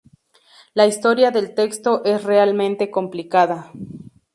La historia del texto es realmente complicada.